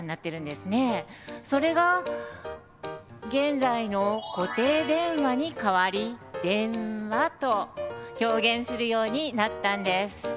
それが現在の固定電話に変わり「電話」と表現するようになったんです。